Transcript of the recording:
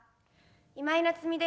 今井菜津美です。